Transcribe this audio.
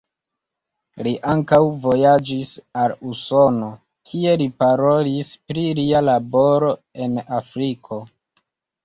Li ankaŭ vojaĝis al Usono, kie li parolis pri lia laboro en Afriko.